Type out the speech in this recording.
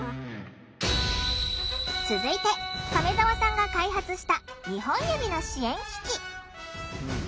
続いて亀澤さんが開発した２本指の支援機器。